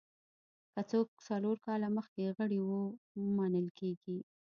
که څوک څلور کاله مخکې غړي وو منل کېږي.